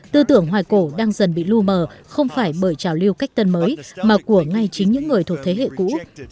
tư tưởng hoài cổ đang dần bị lưu mờ không phải bởi trào lưu cách tân mới mà của ngay chính những người thuộc thế hệ cũ